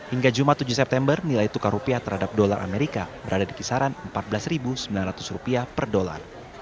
hingga jumat tujuh september nilai tukar rupiah terhadap dolar amerika berada di kisaran rp empat belas sembilan ratus per dolar